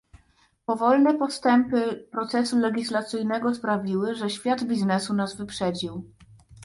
Powolne postępy procesu legislacyjnego sprawiły, że świat biznesu nas wyprzedził